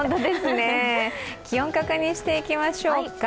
気温を確認していきましょうか。